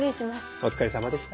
お疲れさまでした。